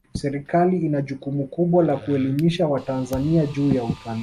serikali ina jukumu kubwa la kuelimisha watanzania juu ya utalii